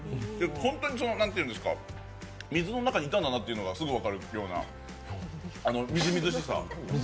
ホントに水の中にいたんだなというのがすぐ分かるようなみずみずしさ。